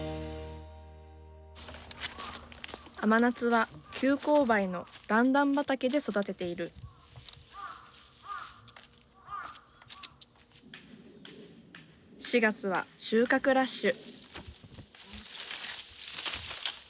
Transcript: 甘夏は急勾配の段々畑で育てている４月は収穫ラッシュ